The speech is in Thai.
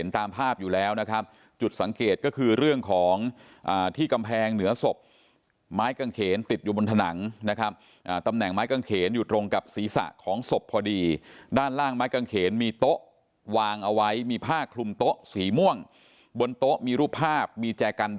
ถ้าเราคิดสะอาดมันก็ไม่มีกิน